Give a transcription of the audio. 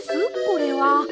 これは。